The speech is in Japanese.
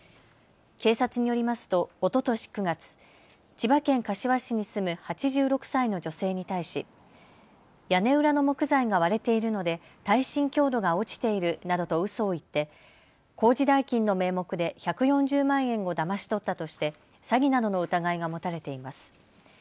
警察によりますとおととし９月、千葉県柏市に住む８６歳の女性に対し屋根裏の木材が割れているので耐震強度が落ちているなどとうそを言って工事代金の名目で１４０万円をだまし取ったとして詐欺などの疑いが持たれています。